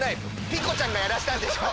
ピコちゃんがやらせたんでしょ！